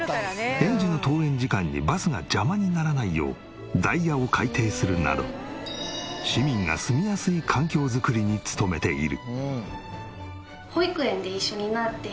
園児の登園時間にバスが邪魔にならないようダイヤを改定するなど市民が住みやすい環境づくりに努めている。